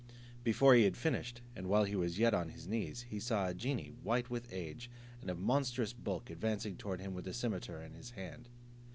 Before he had finished, and while he was yet on his knees, he saw a genie, white with age, and of a monstrous bulk, advancing towards him with a cimeter in his hand.